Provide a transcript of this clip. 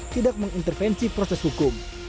tidak mengintervensi proses hukum